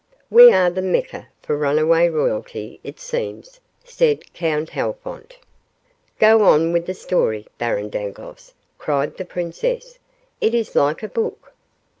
"We are the Mecca for runaway royalty, it seems," said Count Halfont. "Go on with the story, Baron Dangloss," cried the princess. "It is like a book."